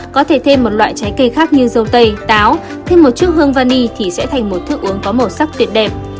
có thể thêm một loại trái cây khác như dâu tây táo thêm một chiếc hương vani thì sẽ thành một thức uống có màu sắc tuyệt đẹp